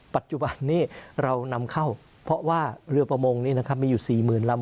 ปัจจุบันนี้เรานำเข้าเพราะว่าเรือประมงนี้นะครับมีอยู่๔๐๐๐ลำ